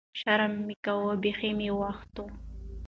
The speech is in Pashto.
ـ شرم مې کوو بېخ مې وختو.